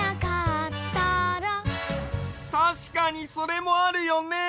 たしかにそれもあるよね。